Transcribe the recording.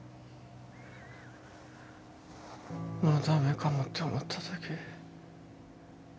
もう駄目かもって思ったとき。